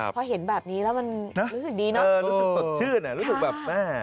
พอเห็นแบบนี้แล้วมันรู้สึกดีเนอะรู้สึกสดชื่นอ่ะรู้สึกแบบแม่